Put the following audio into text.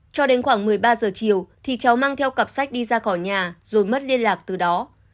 cho đến khoảng một mươi ba giờ chiều thì cháu mang theo cặp sách đi ra khỏi nhà rồi mất liên lạc từ đó